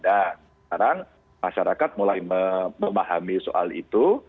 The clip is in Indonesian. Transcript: dan sekarang masyarakat mulai memahami soal itu